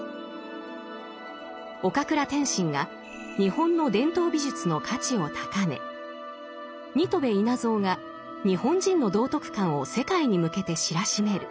岡倉天心が日本の伝統美術の価値を高め新渡戸稲造が日本人の道徳観を世界に向けて知らしめる。